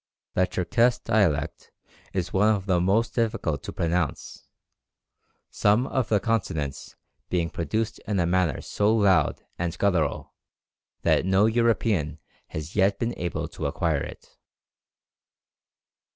The Tcherkesse dialect is one of the most difficult to pronounce, some of the consonants being produced in a manner so loud and guttural that no European has yet been able to acquire it.